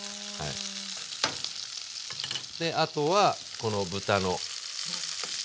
あとはこの豚の脂。